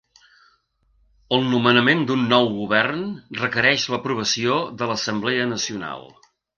El nomenament d'un nou govern requereix l'aprovació de l'Assemblea Nacional.